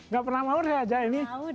gak pernah mau deh aja ini